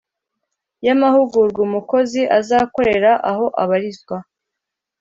y amahugurwa umukozi azakorera aho abarizwa